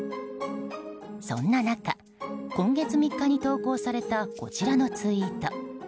そんな中、今月３日に投稿されたこちらのツイート。